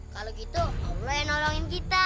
kalau begitu allah yang nolongin kita